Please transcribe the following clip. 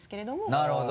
なるほど。